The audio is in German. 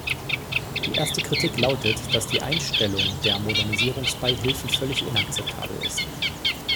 Die erste Kritik lautet, dass die Einstellung der Modernisierungsbeihilfen völlig inakzeptabel ist.